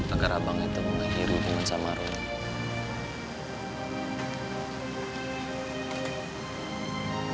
agar abang yang tengah ngelahir hubungan sama rob